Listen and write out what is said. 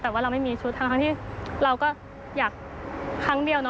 แต่ว่าเราไม่มีชุดทั้งที่เราก็อยากครั้งเดียว